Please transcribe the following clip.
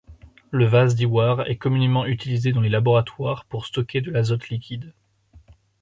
Le vase Dewar est communément utilisé dans les laboratoires pour stocker de l'azote liquide.